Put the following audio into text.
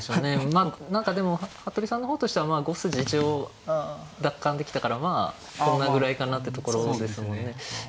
まあ何かでも服部さんの方としては５筋一応奪還できたからまあこんなぐらいかなってところですもんね。